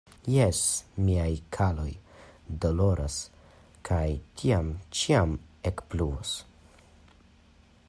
Jes, miaj kaloj doloras, kaj tiam ĉiam ekpluvos.